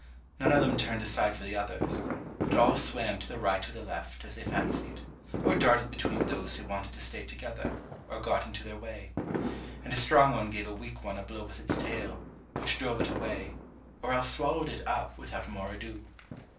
None of them turned aside for the others, but all swam to the right or the left as they fancied, or darted between those who wanted to stay together, or got into their way; and a strong one gave a weak one a blow with its tail, which drove it away, or else swallowed it up without more ado.